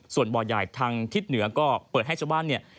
ส่วนบ่อใหญ่ทางทิศเหนือก็เปิดให้ชาวบ้านเนี่ย